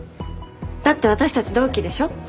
だって私たち同期でしょ？